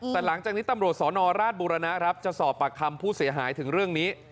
แต่หลังจากนี้ตำรวจสรอราชบุรณะมีลักษณะต่อไป